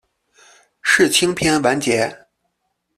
世青篇完结。